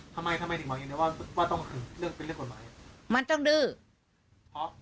ทำไมทำไมถึงหวังอย่างเดียวว่ามีเรื่องเป็นกฎหมาย